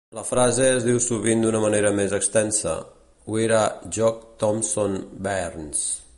La frase es diu sovint d'una manera més extensa: "We're a' Jock Tamson's bairns".